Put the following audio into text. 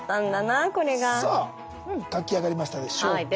さあ書き上がりましたでしょうか？